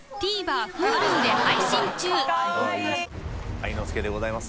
愛之助でございます。